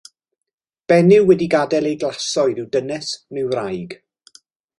Benyw wedi gadael ei glasoed yw dynes neu wraig.